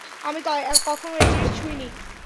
আমি কখনো এ জিনিস ছুঁইনি।